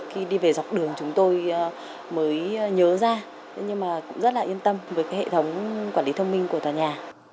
khi đi về dọc đường chúng tôi mới nhớ ra nhưng mà cũng rất là yên tâm với cái hệ thống quản lý thông minh của tòa nhà